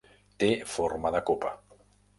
Té forma de copa.